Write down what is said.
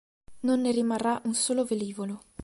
Non ne rimarrà un solo velivolo.